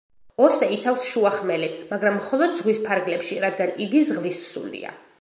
ოსე იცავს შუახმელეთს, მაგრამ მხოლოდ ზღვის ფარგლებში, რადგან იგი ზღვის სულია.